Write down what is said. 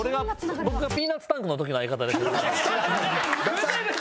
僕がピーナッツタンクの時の相方ですね。